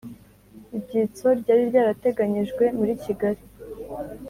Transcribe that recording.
ibyitso ryari rya rateganyijwe muri kigali.